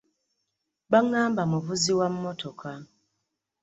Baŋŋamba muvuzi wa mmotoka.